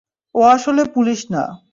ও আসল পুলিশ না।